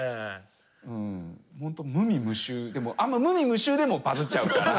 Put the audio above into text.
本当無味無臭でもあんま無味無臭でもバズっちゃうから。